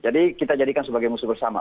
jadi kita jadikan sebagai musuh bersama